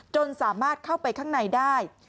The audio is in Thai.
จนสามารถเข้าไปข้างในได้